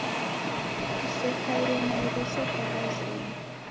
Msekaie na iriso kwa w'azima